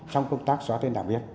trong công tác xóa tên đảng viên